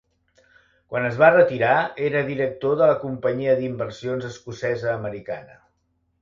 Quan es va retirar era director de la Companyia d'Inversions Escocesa Americana.